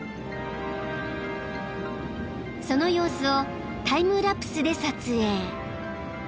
［その様子をタイムラプスで撮影］